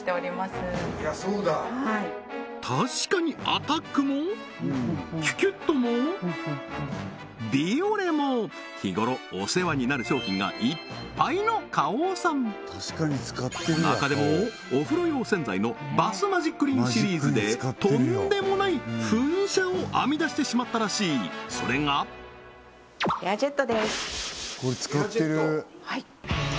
確かにアタックもキュキュットもビオレも日頃お世話になる商品がいっぱいの花王さん中でもお風呂用洗剤のバスマジックリンシリーズでとんでもない噴射を編み出してしまったらしいそれがエアジェット？